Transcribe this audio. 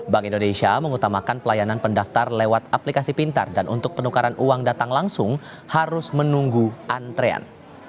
bank indonesia mengutamakan pelayanan pendaftar lewat aplikasi pintar dan untuk penukaran uang datang langsung harus menunggu antrean